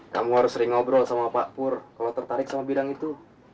kamu harus sering ngobrol sama pak pur kalau tertarik sama bidang itu